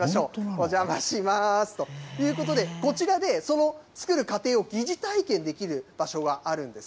お邪魔しますということで、こちらで、その作る過程を疑似体験できる場所があるんです。